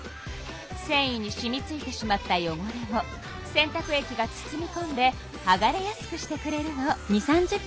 せんいにしみついてしまったよごれを洗たく液が包みこんではがれやすくしてくれるの。